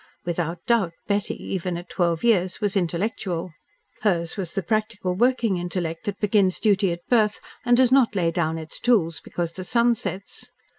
Without doubt Betty, even at twelve years, was intellectual. Hers was the practical working intellect which begins duty at birth and does not lay down its tools because the sun sets.